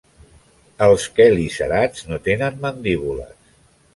Els quelicerats no tenen mandíbules.